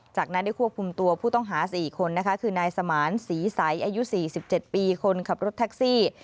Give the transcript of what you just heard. จากนั้นได้ควบคุมตัวผู้ต้องหา๔คนนะคะคือนายสมานศรีใสอายุ๔๗ปีคนขับรถแท็กซี่